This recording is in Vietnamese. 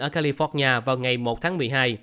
ở california vào ngày một tháng một mươi hai